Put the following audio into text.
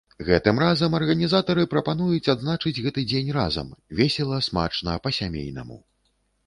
Гэтым разам арганізатары прапануюць адзначыць гэты дзень разам, весела, смачна, па-сямейнаму.